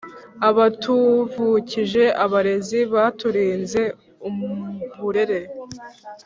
Abatuvukije abarezi Baturinze uburere